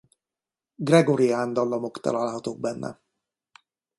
Gregorián dallamok találhatók benne.